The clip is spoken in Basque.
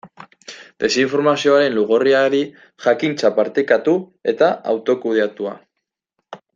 Desinformazioaren lugorriari, jakintza partekatu eta autokudeatua.